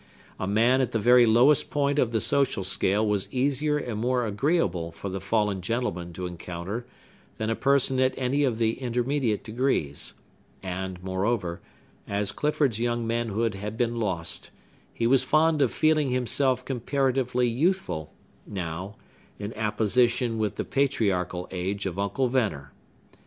A man at the very lowest point of the social scale was easier and more agreeable for the fallen gentleman to encounter than a person at any of the intermediate degrees; and, moreover, as Clifford's young manhood had been lost, he was fond of feeling himself comparatively youthful, now, in apposition with the patriarchal age of Uncle Venner.